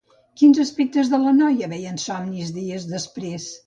Quins aspectes de la noia veia en somnis dies després?